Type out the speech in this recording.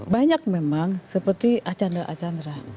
banyak memang seperti arkanra arkanra